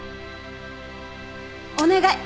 お願い！